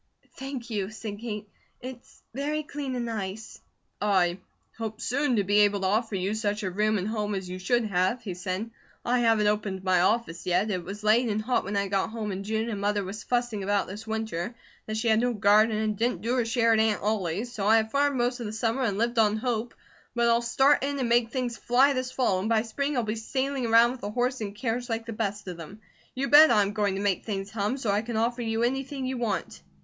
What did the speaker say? "Thank you," said Kate. "It's very clean and nice." "I hope soon to be able to offer you such a room and home as you should have," he said. "I haven't opened my office yet. It was late and hot when I got home in June and Mother was fussing about this winter that she had no garden and didn't do her share at Aunt Ollie's, so I have farmed most of the summer, and lived on hope; but I'll start in and make things fly this fall, and by spring I'll be sailing around with a horse and carriage like the best of them. You bet I am going to make things hum, so I can offer you anything you want."